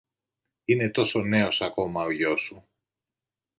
Είναι τόσο νέος ακόμα ο γιός σου